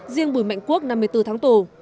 riêng bùi mạnh quốc năm mươi bốn tháng tù